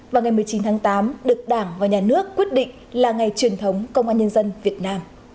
và ngày một mươi chín tháng tám được đảng và nhà nước quyết định là ngày truyền thống công an nhân dân việt nam